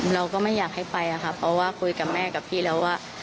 เราก็ไม่อยากให้ไปค่ะเพราะว่าคุยกับแม่กับพี่แล้วว่า